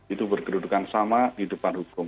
itu berkedudukan sama di depan hukum